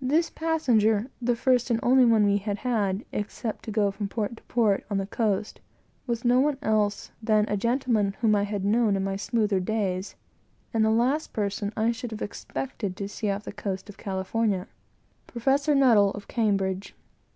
This passenger the first and only one we had had, except to go from port to port, on the coast, was no one else than a gentleman whom I had known in my better days; and the last person I should have expected to have seen on the coast of California Professor N , of Cambridge.